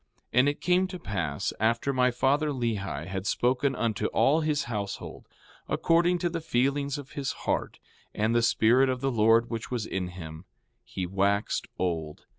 4:12 And it came to pass after my father, Lehi, had spoken unto all his household, according to the feelings of his heart and the Spirit of the Lord which was in him, he waxed old.